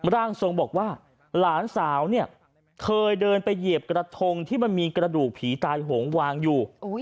ร่างทรงบอกว่าหลานสาวเนี่ยเคยเดินไปเหยียบกระทงที่มันมีกระดูกผีตายหงวางอยู่